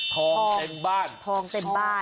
ทองเต็มบ้านทองเต็มบ้าน